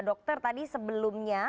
dokter tadi sebelumnya